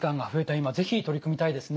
今是非取り組みたいですね。